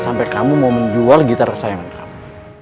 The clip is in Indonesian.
sampai kamu mau menjual gitar kesayangan kamu